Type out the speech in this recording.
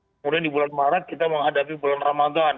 kemudian di bulan maret kita menghadapi bulan ramadan